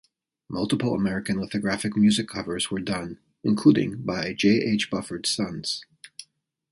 Multiple American lithographic music covers were done, including by J. H. Bufford's Sons.